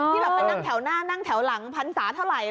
แบบไปนั่งแถวหน้านั่งแถวหลังพรรษาเท่าไหร่